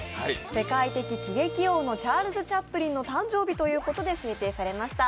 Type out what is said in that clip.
世界的喜劇王のチャールズ・チャップリンの誕生日ということで制定されました。